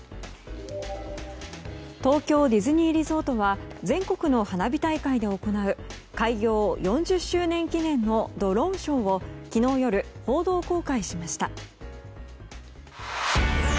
東京ディズニーリゾートは全国の花火大会で行う開業４０周年記念のドローンショーを昨日夜、報道公開しました。